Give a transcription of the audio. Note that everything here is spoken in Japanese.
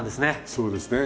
そうですね。